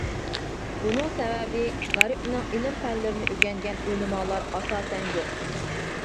بۇنىڭ سەۋەبى غەربنىڭ ئىلىم-پەنلىرىنى ئۆگەنگەن ئۆلىمالار ئاساسەن يوق.